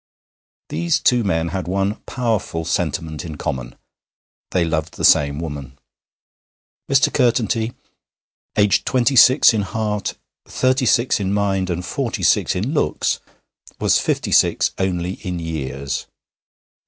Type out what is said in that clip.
These two men had one powerful sentiment in common: they loved the same woman. Mr. Curtenty, aged twenty six in heart, thirty six in mind, and forty six in looks, was fifty six only in years.